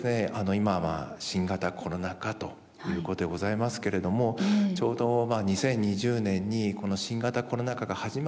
今は新型コロナ禍ということでございますけれどもちょうどまあ２０２０年にこの新型コロナ禍が始まった当初ですね